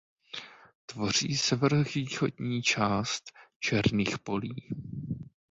Tvoří severovýchodní část Černých Polí.